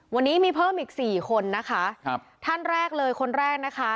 วันนี้มีเพิ่มอีกสี่คนนะคะครับท่านแรกเลยคนแรกนะคะ